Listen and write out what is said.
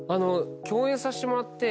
共演させてもらって。